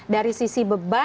dari sisi beban